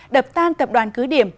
đập tan tập đoàn cứ điểm